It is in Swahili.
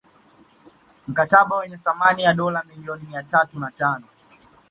Mkataba wenye thamani ya dola milioni mia tatu na tano